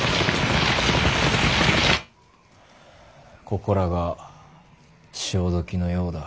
ここらが潮時のようだ。